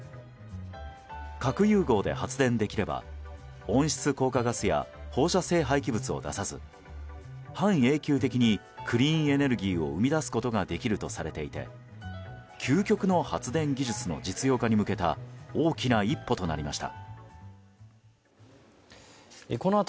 核融合で発電できれば温室効果ガスや放射性廃棄物を出さず半永久的にクリーンエネルギーを生み出すことができるとされていて究極の発電技術の実用化に向けた大きな一歩となりました。